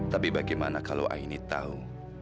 tapi bagaimana kalau aini tahu